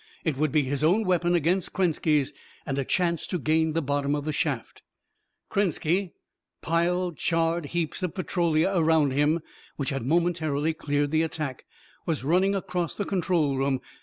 It would be his own weapon against Krenski's, and a chance to gain the bottom of the shaft. Krenski piled, charred heaps of the Petrolia around him, which had momentarily cleared the attack was running across the control room.